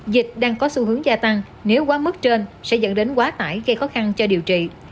dịch đang có xu hướng gia tăng nếu quá mức trên sẽ dẫn đến quá tải gây khó khăn cho điều trị